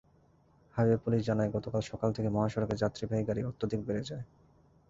Highway police জানায়, গতকাল সকাল থেকে মহাসড়কে যাত্রীবাহী গাড়ি অত্যধিক বেড়ে যায়।